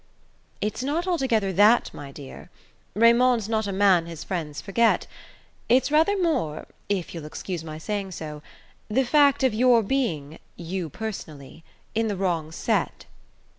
"It's not altogether that, my dear; Raymond's not a man his friends forget. It's rather more, if you'll excuse my saying so, the fact of your being you personally in the wrong set."